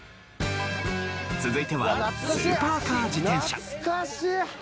続いてはスーパーカー自転車。